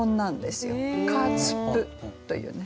「カツプ」というね。